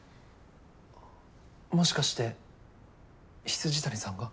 あっもしかして未谷さんが？